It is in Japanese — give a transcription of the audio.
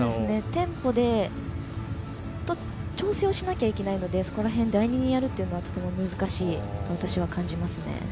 テンポで調整をしなきゃいけないのでそこら辺、第２にやるのはとても難しいと感じますね。